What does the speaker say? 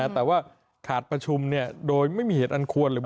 แต่ว่าขาดประชุมโดยไม่มีเหตุอันควร